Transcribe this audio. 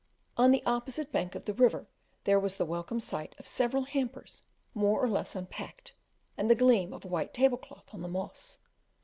On the opposite bank of the river there was the welcome sight of several hampers more or less unpacked, and the gleam of a white tablecloth on the moss.